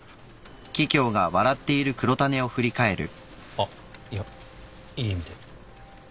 あっいやいい意味で。